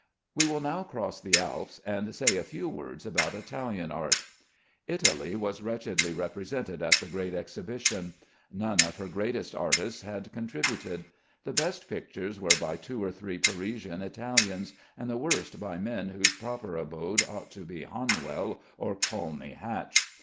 We will now cross the Alps and say a few words about Italian art. Italy was wretchedly represented at the Great Exhibition. None of her greatest artists had contributed. The best pictures were by two or three Parisian Italians, and the worst by men whose proper abode ought to be Hanwell or Colney Hatch.